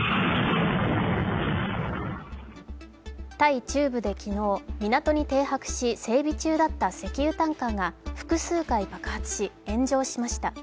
タイ中部で昨日、港に停泊し、整備中だった石油タンカーが複数回爆発し炎上しました。